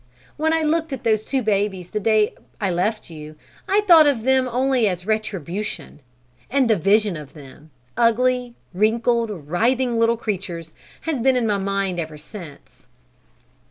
When I looked at those two babies the day I left you, I thought of them only as retribution; and the vision of them ugly, wrinkled, writhing little creatures has been in my mind ever since."